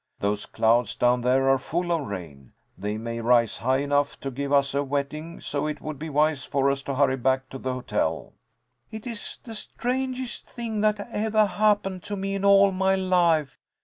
Those clouds down there are full of rain. They may rise high enough to give us a wetting, so it would be wise for us to hurry back to the hotel." "It is the strangest thing that evah happened to me in all my life!"